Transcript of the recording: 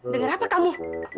dengar apa kamu